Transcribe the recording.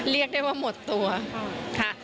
เรียกได้ว่าหมดตัวค่ะ